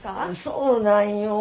そうなんよ。